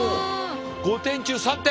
５点中３点。